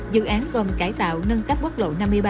dự án gồm cải tạo nâng cấp quốc lộ năm mươi ba